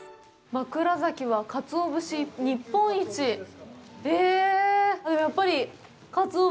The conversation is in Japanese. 枕崎は、かつお節日本一、へえ。